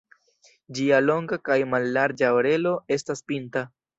Ĝia longa kaj mallarĝa orelo estas pinta.